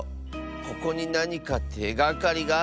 ここになにかてがかりがあるかも。